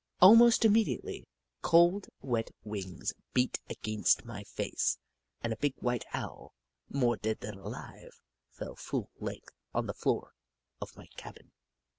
Almost immediately, cold, wet wings beat against my face and a big white Owl, more dead than alive, fell full length on the floor of my cabin.